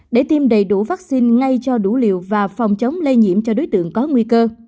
để tiêm đầy đủ vaccine ngay cho đủ liều và phòng chống lây nhiễm cho đối tượng có nguy cơ